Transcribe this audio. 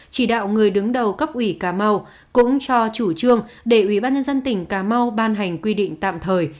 chỉ đạo người đứng đầu cấp ủy cà mau cũng cho chủ trương để ubnd tp hcm ban hành quy định tạm thời